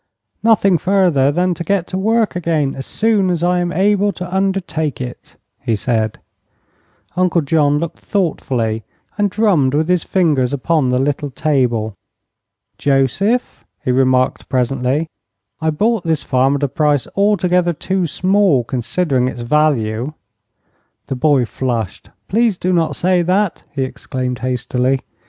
"Nothing further than to get to work again as soon as I am able to undertake it," he said. Uncle John looked thoughtfully, and drummed with his finger upon the little table. "Joseph," he remarked, presently, "I bought this farm at a price altogether too small, considering its value." The boy flushed. "Please do not say that!" he exclaimed, hastily.